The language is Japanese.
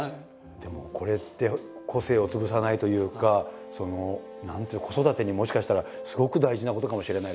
でもこれって個性を潰さないというか何ていう子育てにもしかしたらすごく大事なことかもしれないですね。